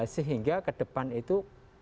sehingga kedepan itu